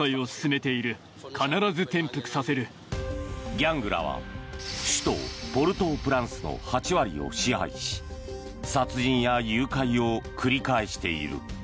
ギャングらは首都ポルトープランスの８割を支配し殺人や誘拐を繰り返している。